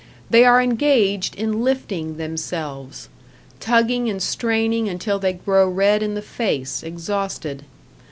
They are engaged in lifting themselves; tugging and straining until they grow red in the face, exhausted.